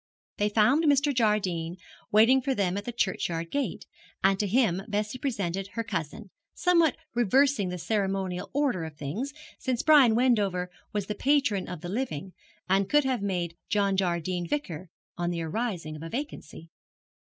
They found Mr. Jardine waiting for them at the churchyard gate, and to him Bessie presented her cousin, somewhat reversing the ceremonial order of things, since Brian Wendover was the patron of the living, and could have made John Jardine vicar on the arising of a vacancy.